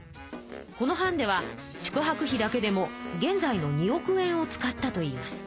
この藩では宿はく費だけでも現在の２億円を使ったといいます。